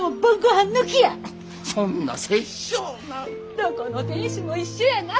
どこの亭主も一緒やな。